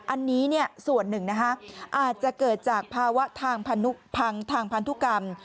อันนี้ส่วนหนึ่งอาจจะเกิดจากภาวะทางพันธุกรรม